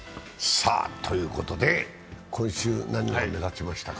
今週、誰が目立ちましたか？